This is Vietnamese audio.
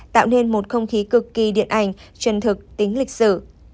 tạo nên một không khí cực kỳ điện ảnh chân thực tính lịch sử